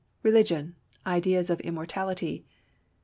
Religion; ideas of immortality.